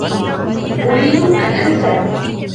أريد أن أنساها.